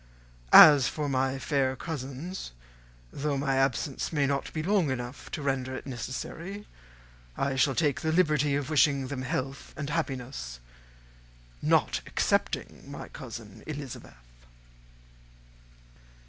As for my fair cousins, though my absence may not be long enough to render it necessary, I shall now take the liberty of wishing them health and happiness, not excepting my cousin Elizabeth."